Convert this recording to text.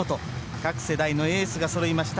各世代のエースがそろいました